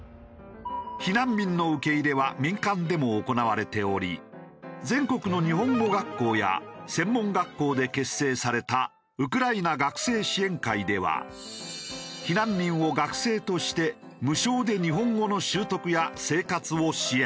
避難民の受け入れは民間でも行われており全国の日本語学校や専門学校で結成されたウクライナ学生支援会では避難民を学生として無償で日本語の習得や生活を支援。